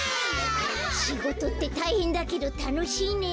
しごとってたいへんだけどたのしいね。